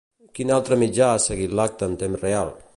Quin altre mitjà ha seguit l'acte en temps real?